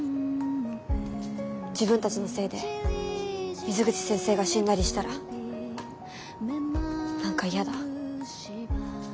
自分たちのせいで水口先生が死んだりしたら何か嫌だ。